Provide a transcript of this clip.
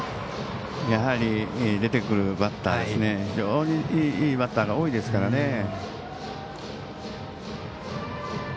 やはり出てくるバッター非常にいいバッターが多いですからね。